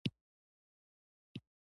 یورانیم د افغان ځوانانو د هیلو استازیتوب کوي.